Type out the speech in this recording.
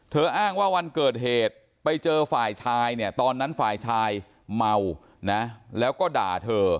อ้างว่าวันเกิดเหตุไปเจอฝ่ายชายเนี่ยตอนนั้นฝ่ายชายเมานะแล้วก็ด่าเธอ